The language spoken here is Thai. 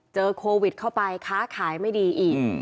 เจอโควิดเข้าไปค้าขายไม่ดีอีก